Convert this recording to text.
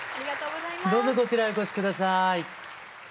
どうぞこちらへお越し下さい。